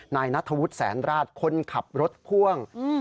นายนัทธวุฒิแสนราชคนขับรถพ่วง